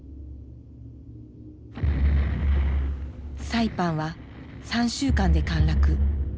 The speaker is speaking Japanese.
サイパンは３週間で陥落。